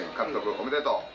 おめでとう。